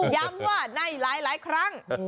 ย้ำว่าในหลายครั้ง